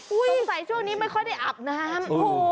สงสัยช่วงนี้ไม่ค่อยได้อาบน้ำ